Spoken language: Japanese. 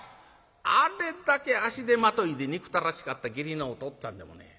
あれだけ足手まといで憎たらしかった義理のおとっつぁんでもね